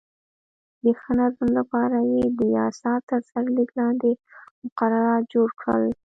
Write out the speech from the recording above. د ښه نظم لپاره یې د یاسا تر سرلیک لاندې مقررات جوړ کړل.